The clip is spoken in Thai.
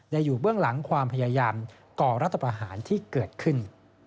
อยู่เบื้องหลังความพยายามก่อรัฐประหารที่เกิดขึ้น